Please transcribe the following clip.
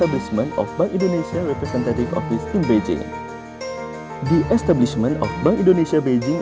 sebagai implementasi bank indonesia dan bank pembangunan china telah menandatangani memorandum pertahankan tentang pembangunan ekonomi dan pembangunan ekonomi